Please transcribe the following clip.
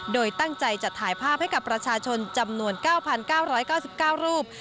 โดยตั้งใจจะถ่ายภาพให้กับประชาชนจำนวน๙๙๙๙รูป